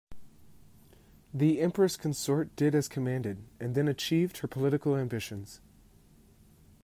The Empress Consort did as commanded, and then achieved her political ambitions.